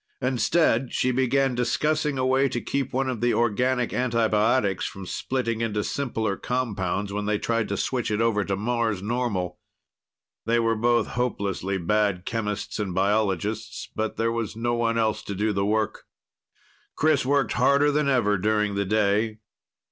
Instead, she began discussing a way to keep one of the organic antibiotics from splitting into simpler compounds when they tried to switch it over to Mars normal. They were both hopelessly bad chemists and biologists, but there was no one else to do the work. Chris worked harder than ever during the day.